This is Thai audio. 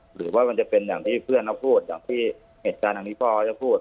หรือว่ามันจะเป็นอย่างที่เพื่อนเขาพูดอย่างที่เหตุการณ์อันนี้พ่อเขาจะพูด